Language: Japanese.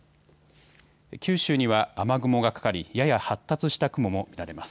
九州には雨雲がかかりやや発達した雲も見られます。